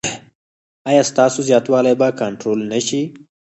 ایا ستاسو زیاتوالی به کنټرول نه شي؟